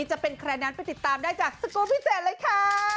จะเป็นใครนั้นไปติดตามได้จากสกูลพิเศษเลยค่ะ